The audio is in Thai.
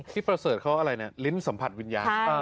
ประเสริฐเขาอะไรเนี่ยลิ้นสัมผัสวิญญาณ